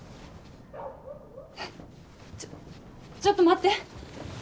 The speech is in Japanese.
えっちょちょっと待って！